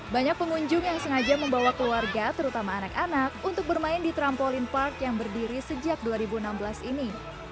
banyak pengunjung yang sengaja membawa keluarga terutama anak anak untuk bermain di trampolin park yang berdiri sejak dua ribu enam belas ini